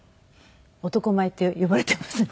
男前って呼ばれていますね。